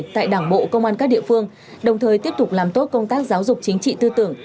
tại đảng bộ công an các địa phương đồng thời tiếp tục làm tốt công tác giáo dục chính trị tư tưởng